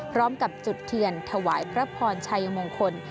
พร้อมกับจุดเทียนถวายพระพรชัยมงคล